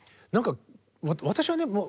何か私はね